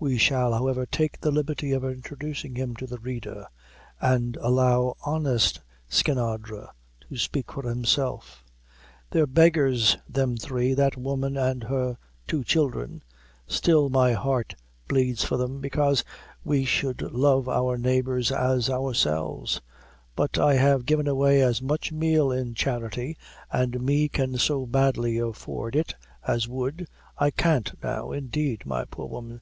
We shall, however, take the liberty of introducing him to the reader, and allow honest Skinadre to speak for himself. "They're beggars them three that woman and her two children; still my heart bleeds for them, bekase we should love our neighbors as ourselves; but I have given away as much meal in charity, an' me can so badly afford it, as would I can't now, indeed, my poor woman!